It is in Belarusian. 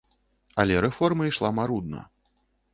Але рэформа ішла марудна.